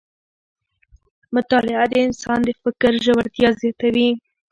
مطالعه د انسان د فکر ژورتیا زیاتوي